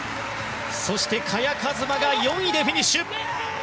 そして、萱和磨が４位でフィニッシュ。